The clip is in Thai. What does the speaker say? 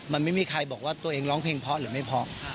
มันไม่มีใครบอกว่าตัวเองร้องเพลงเพราะหรือไม่เพราะ